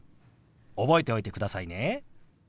覚えておいてくださいね。